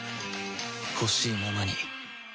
ほしいままに